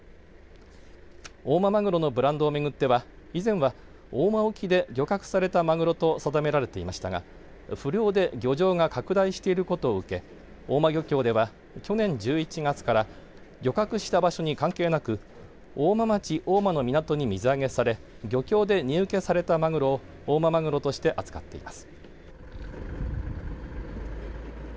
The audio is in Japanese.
大間まぐろのブランドをめぐっては以前は大間沖で漁獲されたまぐろと定められていましたが不漁で漁場が拡大していることを受け大間漁協では去年１１月から漁獲した場所に関係なく大間町大間の港に水揚げされ漁協で荷受けされたまぐろを大間まぐろとして扱っています。